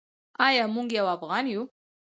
ایا موږ یو افغان یو؟